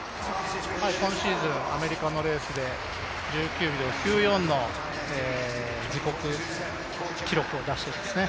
今シーズン、アメリカのレースで１９秒９４の自国記録を出していますね。